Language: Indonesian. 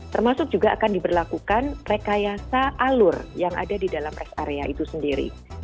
termasuk juga akan diberlakukan rekayasa alur yang ada di dalam rest area itu sendiri